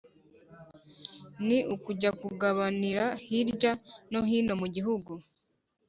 ni kujya mpugabanira hirya no hino mu gihugu